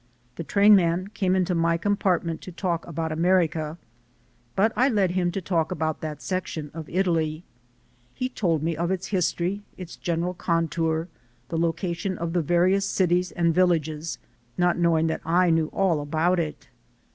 The trainman came into my compartment to talk about America. But I led him to talk about that section of Italy. He told me of its history, its general contour, the location of the various cities and villages, not knowing that I knew all about it.